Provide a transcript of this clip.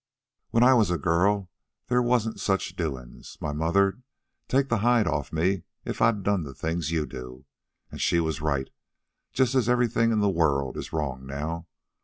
When I was a girl there wasn't such doin's. My mother'd taken the hide off me if I done the things you do. An' she was right, just as everything in the world is wrong now.